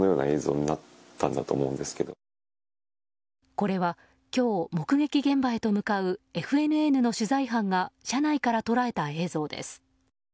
これは今日目撃現場へと向かうＦＮＮの取材班が車内から捉えた映像です。